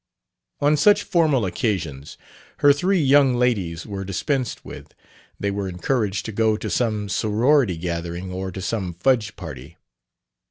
On such formal occasions her three young ladies were dispensed with. They were encouraged to go to some sorority gathering or to some fudge party.